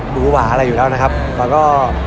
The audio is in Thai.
ดูหว่าอะไรอยู่แล้วนะครับแต่ก็